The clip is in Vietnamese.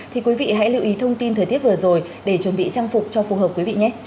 thì quý vị hãy lưu ý thông tin thời tiết vừa rồi để chuẩn bị trang phục cho phù hợp quý vị nhất